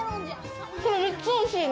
これめっちゃおいしいね。